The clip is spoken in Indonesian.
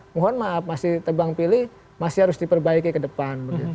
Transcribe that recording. mohon maaf masih tebang pilih masih harus diperbaiki ke depan